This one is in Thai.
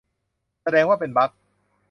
แสดงว่าเป็นบั๊ก !